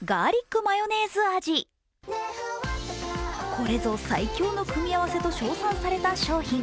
これぞ最強の組み合わせと称賛された商品。